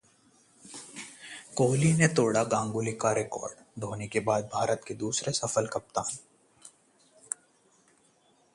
कोहली ने तोड़ा गांगुली का रिकॉर्ड, धोनी के बाद भारत के दूसरे सफल कप्तान